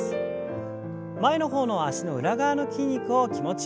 前の方の脚の裏側の筋肉を気持ちよく伸ばしてください。